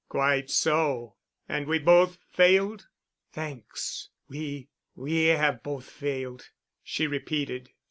"Quite so. And we've both failed?" "Thanks. We—we have both failed," she repeated.